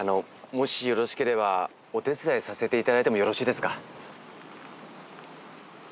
もしよろしければお手伝いさせていただいてもよろしいですか？